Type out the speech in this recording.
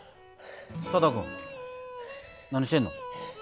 多田君何してんの？